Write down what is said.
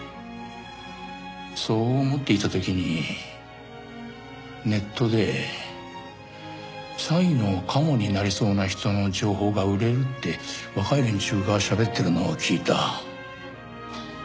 そう思っていた時にネットで詐欺のカモになりそうな人の情報が売れるって若い連中がしゃべってるのを聞いた。